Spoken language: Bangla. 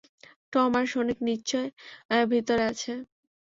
টম আর সনিক নিশ্চয় ভিতরে আছে।